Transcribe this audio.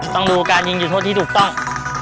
ต้องดูการยิงจุดโทษที่ถูกต้อง